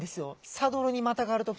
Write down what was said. サドルにまたがる時。